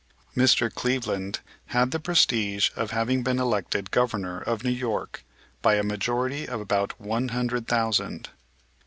Mr. Cleveland had the prestige of having been elected Governor of New York by a majority of about one hundred thousand.